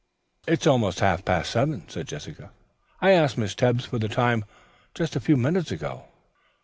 "It's almost half past seven," said Jessica. "I asked Miss Tebbs for the time just a few minutes ago."